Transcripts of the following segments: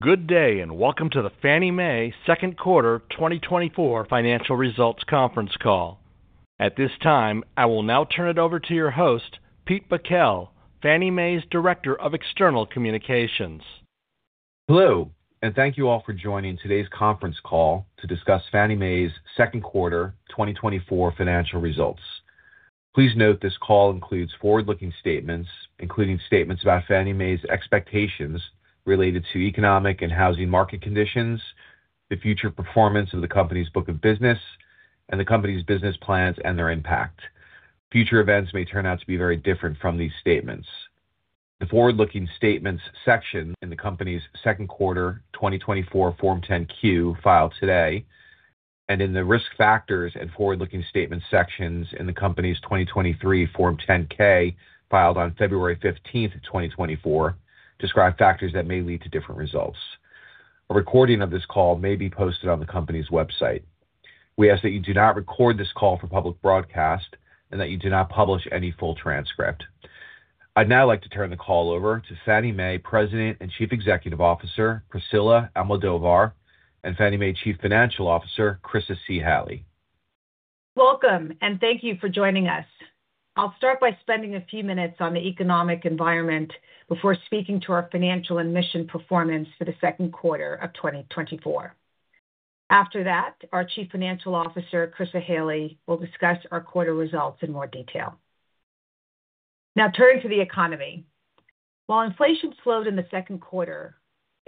Good day and welcome to the Fannie Mae Second Quarter 2024 Financial Results Conference Call. At this time, I will now turn it over to your host, Pete Bakel, Fannie Mae's Director of External Communications. Hello, and thank you all for joining today's conference call to discuss Fannie Mae's Second Quarter 2024 Financial Results. Please note this call includes forward-looking statements, including statements about Fannie Mae's expectations related to economic and housing market conditions, the future performance of the company's book of business, and the company's business plans and their impact. Future events may turn out to be very different from these statements. The forward-looking statements section in the company's Q2 2024 Form 10-Q filed today, and in the risk factors and forward-looking statements sections in the company's 2023 Form 10-K filed on February 15th, 2024, describe factors that may lead to different results. A recording of this call may be posted on the company's website. We ask that you do not record this call for public broadcast and that you do not publish any full transcript. I'd now like to turn the call over to Fannie Mae President and Chief Executive Officer, Priscilla Almodovar, and Fannie Mae Chief Financial Officer, Chryssa C. Halley. Welcome, and thank you for joining us. I'll start by spending a few minutes on the economic environment before speaking to our financial and mission performance for the second quarter of 2024. After that, our Chief Financial Officer, Chryssa Halley, will discuss our quarter results in more detail. Now, turning to the economy, while inflation slowed in the Q2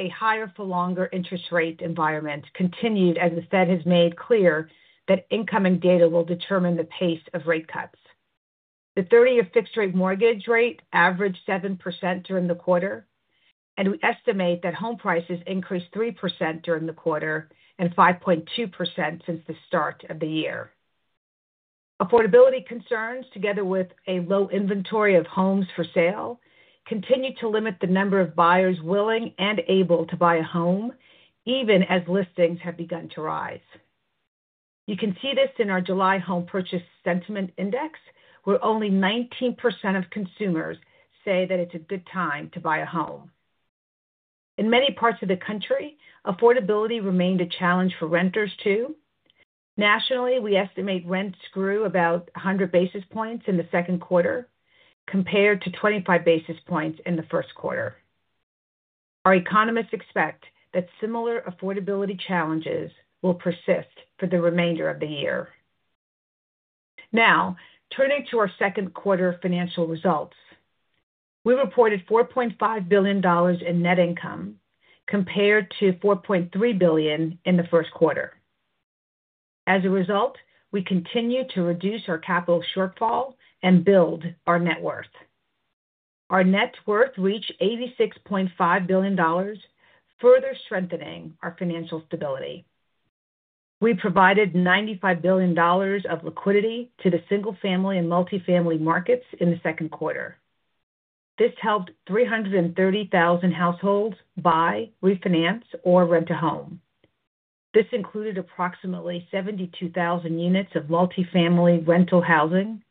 a higher-for-longer interest rate environment continued as the Fed has made clear that incoming data will determine the pace of rate cuts. The 30-year fixed-rate mortgage rate averaged 7% during the quarter, and we estimate that home prices increased 3% during the quarter and 5.2% since the start of the year. Affordability concerns, together with a low inventory of homes for sale, continue to limit the number of buyers willing and able to buy a home, even as listings have begun to rise. You can see this in our July Home Purchase Sentiment Index, where only 19% of consumers say that it's a good time to buy a home. In many parts of the country, affordability remained a challenge for renters too. Nationally, we estimate rents grew about 100 basis points in the Q2, compared to 25 basis points in the Q1. Our economists expect that similar affordability challenges will persist for the remainder of the year. Now, turning to ourQ2 financial results, we reported $4.5 billion in net income, compared to $4.3 billion in the Q1. As a result, we continue to reduce our capital shortfall and build our net worth. Our net worth reached $86.5 billion, further strengthening our financial stability. We provided $95 billion of liquidity to the single-family and multifamily markets in the Q2. This helped 330,000 households buy, refinance, or rent a home. This included approximately 72,000 units of multifamily rental housing,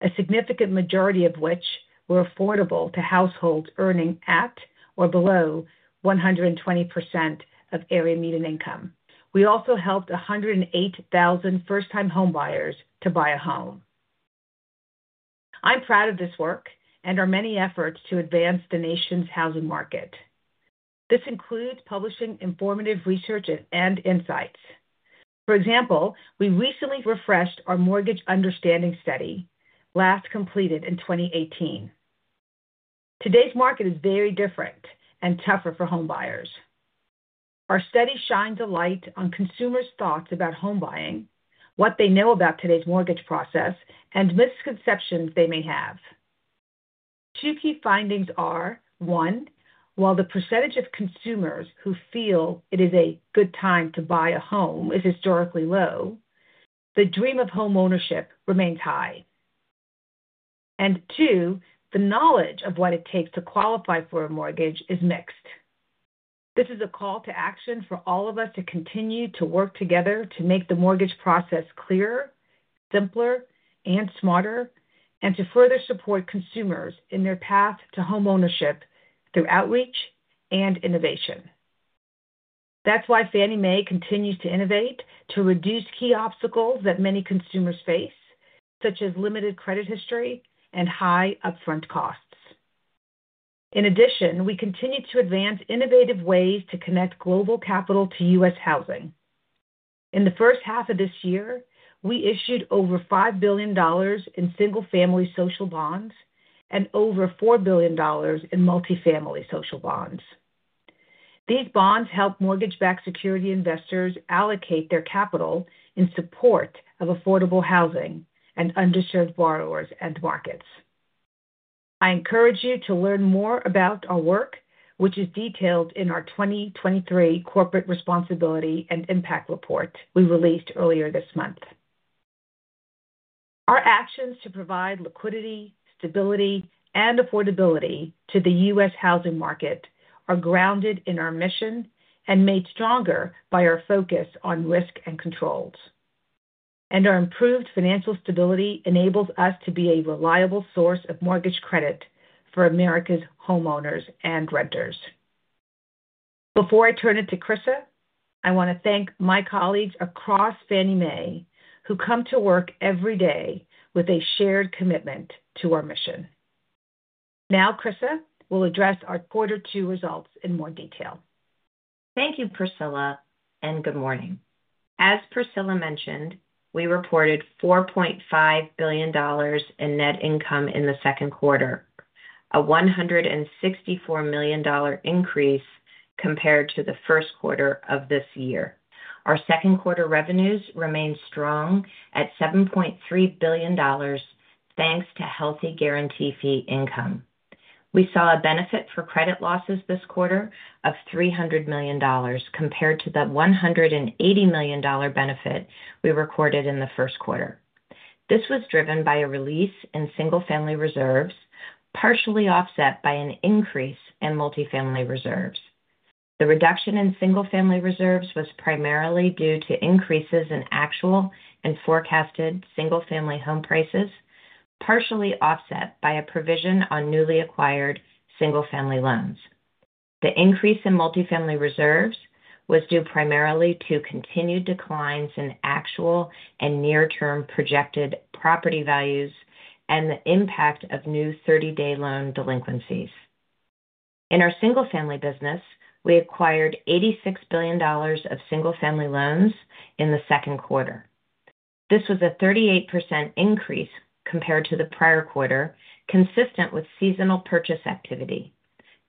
a significant majority of which were affordable to households earning at or below 120% of Area Median Income. We also helped 108,000 first-time homebuyers to buy a home. I'm proud of this work and our many efforts to advance the nation's housing market. This includes publishing informative research and insights. For example, we recently refreshed our Mortgage Understanding Study, last completed in 2018. Today's market is very different and tougher for homebuyers. Our study shines a light on consumers' thoughts about home buying, what they know about today's mortgage process, and misconceptions they may have. Two key findings are: one, while the percentage of consumers who feel it is a good time to buy a home is historically low, the dream of homeownership remains high. And two, the knowledge of what it takes to qualify for a mortgage is mixed. This is a call to action for all of us to continue to work together to make the mortgage process clearer, simpler, and smarter, and to further support consumers in their path to homeownership through outreach and innovation. That's why Fannie Mae continues to innovate to reduce key obstacles that many consumers face, such as limited credit history and high upfront costs. In addition, we continue to advance innovative ways to connect global capital to U.S. housing. In the first half of this year, we issued over $5 billion in single-family social bonds and over $4 billion in multifamily social bonds. These bonds help mortgage-backed security investors allocate their capital in support of affordable housing and underserved borrowers and markets. I encourage you to learn more about our work, which is detailed in our 2023 Corporate Responsibility and Impact Report we released earlier this month. Our actions to provide liquidity, stability, and affordability to the U.S. housing market are grounded in our mission and made stronger by our focus on risk and controls. Our improved financial stability enables us to be a reliable source of mortgage credit for America's homeowners and renters. Before I turn it to Chryssa, I want to thank my colleagues across Fannie Mae, who come to work every day with a shared commitment to our mission. Now, Chryssa will address our Q2 results in more detail. Thank you, Priscilla, and good morning. As Priscilla mentioned, we reported $4.5 billion in net income in the Q2, a $164 million increase compared to the Q1 of this year. Our Q2 revenues remained strong at $7.3 billion, thanks to healthy guarantee fee income. We saw a benefit for credit losses this quarter of $300 million, compared to the $180 million benefit we recorded in the Q1. This was driven by a release in single-family reserves, partially offset by an increase in multifamily reserves. The reduction in single-family reserves was primarily due to increases in actual and forecasted single-family home prices, partially offset by a provision on newly acquired single-family loans. The increase in multifamily reserves was due primarily to continued declines in actual and near-term projected property values and the impact of new 30-day loan delinquencies. In our single-family business, we acquired $86 billion of single-family loans in the Q2. This was a 38% increase compared to the prior quarter, consistent with seasonal purchase activity.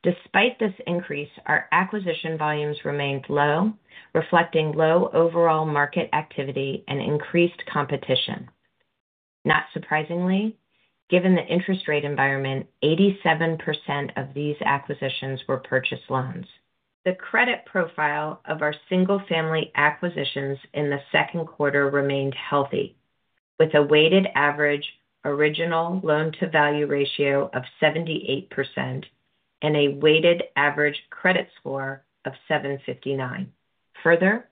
Despite this increase, our acquisition volumes remained low, reflecting low overall market activity and increased competition. Not surprisingly, given the interest rate environment, 87% of these acquisitions were purchase loans. The credit profile of our single-family acquisitions in the Q2 remained healthy, with a weighted average original loan-to-value ratio of 78% and a weighted average credit score of 759. Further,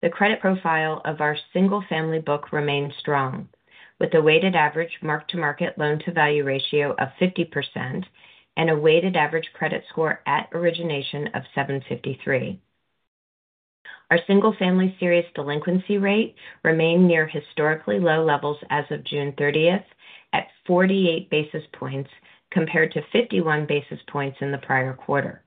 the credit profile of our single-family book remained strong, with a weighted average mark-to-market loan-to-value ratio of 50% and a weighted average credit score at origination of 753. Our single-family serious delinquency rate remained near historically low levels as of June 30th, at 48 basis points compared to 51 basis points in the prior quarter.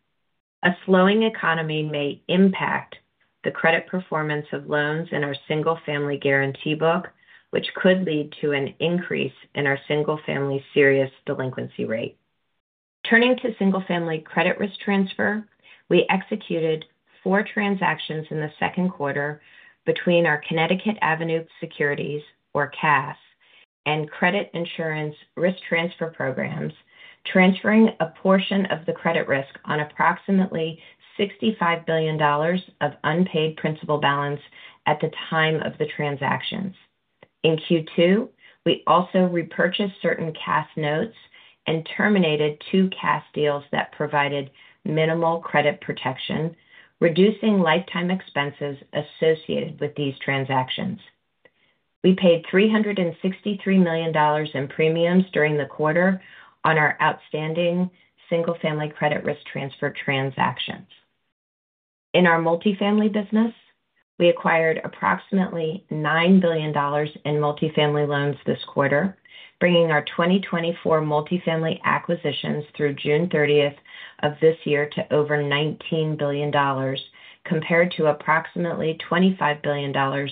A slowing economy may impact the credit performance of loans in our single-family guarantee book, which could lead to an increase in our single-family serious delinquency rate. Turning to single-family credit risk transfer, we executed four transactions in the second quarter between our Connecticut Avenue Securities, or CAS, and Credit Insurance Risk Transfer programs, transferring a portion of the credit risk on approximately $65 billion of unpaid principal balance at the time of the transactions. In Q2, we also repurchased certain CAS notes and terminated two CAS deals that provided minimal credit protection, reducing lifetime expenses associated with these transactions. We paid $363 million in premiums during the quarter on our outstanding single-family credit risk transfer transactions. In our multifamily business, we acquired approximately $9 billion in multifamily loans this quarter, bringing our 2024 multifamily acquisitions through June 30th of this year to over $19 billion, compared to approximately $25 billion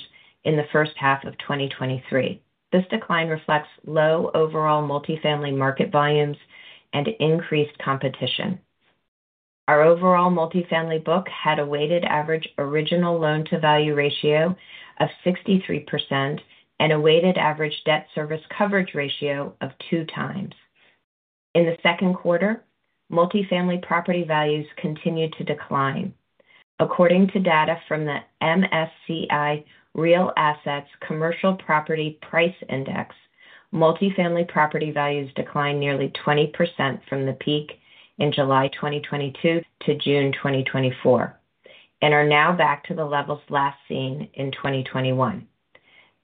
in the first half of 2023. This decline reflects low overall multifamily market volumes and increased competition. Our overall multifamily book had a weighted average original loan-to-value ratio of 63% and a weighted average debt service coverage ratio of two times. In the Q2 multifamily property values continued to decline. According to data from the MSCI Real Assets Commercial Property Price Index, multifamily property values declined nearly 20% from the peak in July 2022 to June 2024, and are now back to the levels last seen in 2021.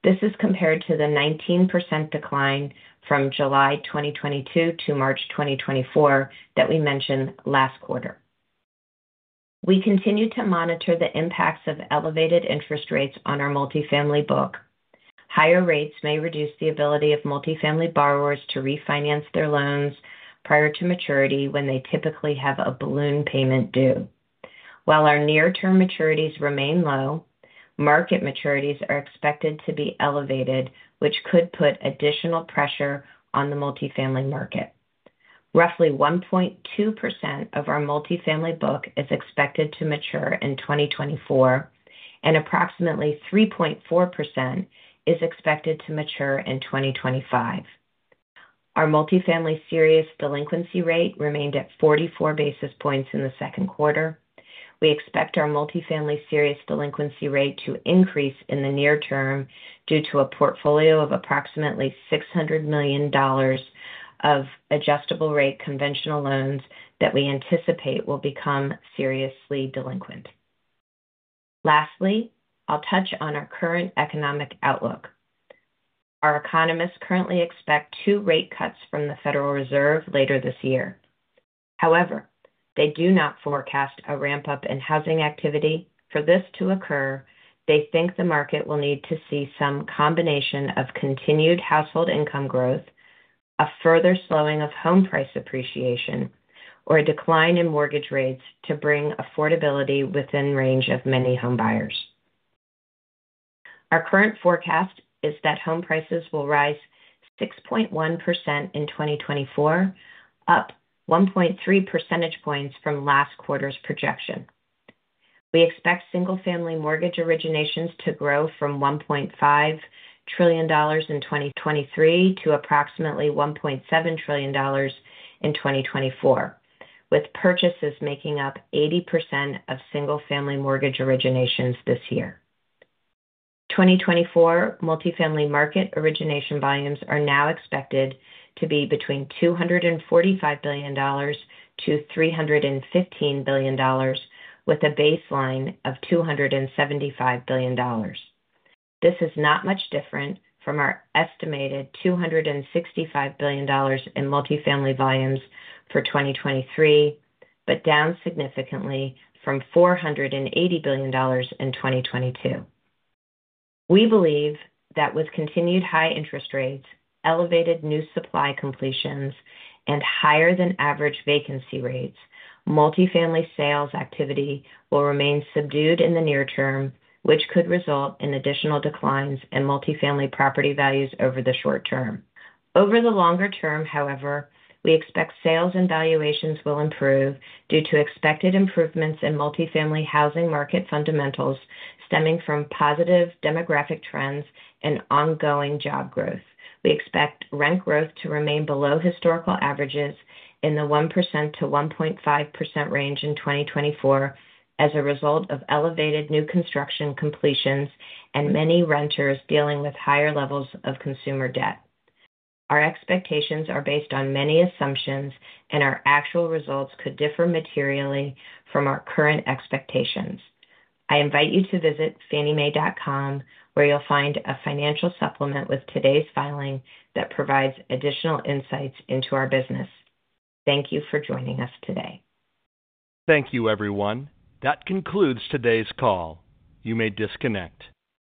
This is compared to the 19% decline from July 2022 to March 2024 that we mentioned last quarter. We continue to monitor the impacts of elevated interest rates on our multifamily book. Higher rates may reduce the ability of multifamily borrowers to refinance their loans prior to maturity when they typically have a balloon payment due. While our near-term maturities remain low, market maturities are expected to be elevated, which could put additional pressure on the multifamily market. Roughly 1.2% of our multifamily book is expected to mature in 2024, and approximately 3.4% is expected to mature in 2025. Our multifamily serious delinquency rate remained at 44 basis points in the second quarter. We expect our multifamily series delinquency rate to increase in the near term due to a portfolio of approximately $600 million of adjustable-rate conventional loans that we anticipate will become seriously delinquent. Lastly, I'll touch on our current economic outlook. Our economists currently expect two rate cuts from the Federal Reserve later this year. However, they do not forecast a ramp-up in housing activity. For this to occur, they think the market will need to see some combination of continued household income growth, a further slowing of home price appreciation, or a decline in mortgage rates to bring affordability within the range of many homebuyers. Our current forecast is that home prices will rise 6.1% in 2024, up 1.3 percentage points from last quarter's projection. We expect single-family mortgage originations to grow from $1.5 trillion in 2023 to approximately $1.7 trillion in 2024, with purchases making up 80% of single-family mortgage originations this year. 2024 multifamily market origination volumes are now expected to be between $245 billion-$315 billion, with a baseline of $275 billion. This is not much different from our estimated $265 billion in multifamily volumes for 2023, but down significantly from $480 billion in 2022. We believe that with continued high interest rates, elevated new supply completions, and higher-than-average vacancy rates, multifamily sales activity will remain subdued in the near term, which could result in additional declines in multifamily property values over the short term. Over the longer term, however, we expect sales and valuations will improve due to expected improvements in multifamily housing market fundamentals stemming from positive demographic trends and ongoing job growth. We expect rent growth to remain below historical averages in the 1%-1.5% range in 2024 as a result of elevated new construction completions and many renters dealing with higher levels of consumer debt. Our expectations are based on many assumptions, and our actual results could differ materially from our current expectations. I invite you to visit fanniemae.com, where you'll find a financial supplement with today's filing that provides additional insights into our business. Thank you for joining us today. Thank you, everyone. That concludes today's call. You may disconnect.